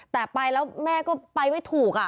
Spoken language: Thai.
แต่ไปแล้วแม่ก็ไปไม่ถูก